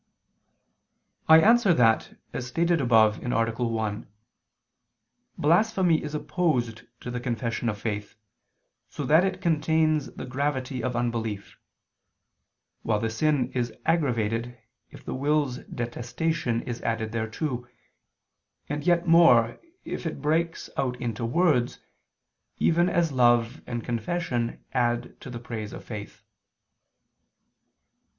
I answer that, As stated above (A. 1), blasphemy is opposed to the confession of faith, so that it contains the gravity of unbelief: while the sin is aggravated if the will's detestation is added thereto, and yet more, if it breaks out into words, even as love and confession add to the praise of faith.